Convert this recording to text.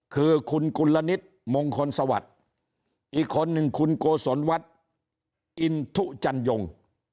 คือคุณกุลนิษฐ์มงคลสวัสดิ์อีกคนหนึ่งคุณโกศลวัฒน์อินทุจันยง